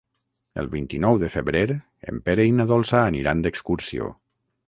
El vint-i-nou de febrer en Pere i na Dolça aniran d'excursió.